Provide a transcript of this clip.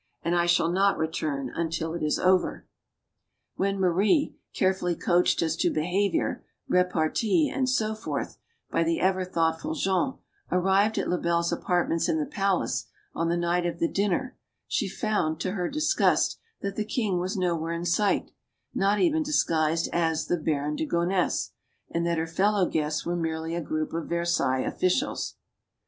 And I shall not return until it is over. ' When Marie carefully coached as to behavior, re partee, and so forth, by the ever thoughtful Jean arrived at Lebel's apartments in the palace, on the nighi of the dinner, she found, to her disgust, that the kinjj was nowhere in sight not even disguised as "thi Baron de Gonesse" and that her fellow guests weje merely a group of Versailles officials.